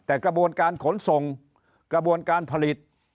แต่กระบวนการขนส่งกระบวนการผลิต